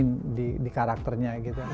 tidak ada perubahan lo jalani tempat